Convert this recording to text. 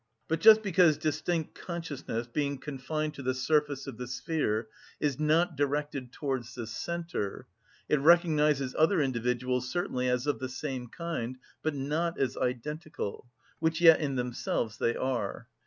But just because distinct consciousness, being confined to the surface of the sphere, is not directed towards the centre, it recognises other individuals certainly as of the same kind, but not as identical, which yet in themselves they are.